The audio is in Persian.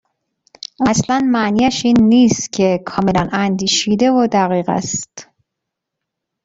اصلا معنی اش این نیست که کاملا اندیشیده و دقیق است.